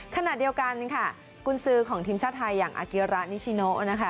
ขณะเดียวกันค่ะกุญสือของทีมชาติไทยอย่างอาเกียระนิชิโนนะคะ